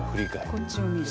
こっちを見る？